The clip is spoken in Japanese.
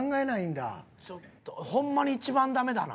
ちょっとホンマに一番ダメだな。